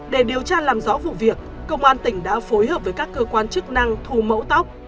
để điều tra làm rõ vụ việc công an tỉnh đã phối hợp với các cơ quan chức năng thu mẫu tóc